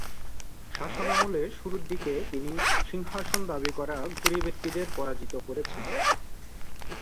শাসনামলের শুরুর দিকে তিনি সিংহাসন দাবি করা ঘুরি ব্যক্তিদের পরাজিত করেছেন।